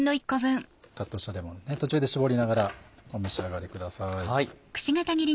カットしたレモン途中で搾りながらお召し上がりください。